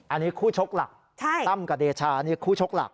อันนี้คู่ชกหลักตั้มกับเดชานี่คู่ชกหลัก